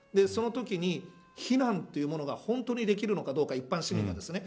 そのときに避難というものが本当にできるのかどうか一般市民が。